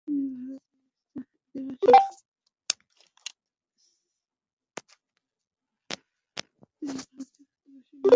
তিনি ভারতে অভিবাসী হন।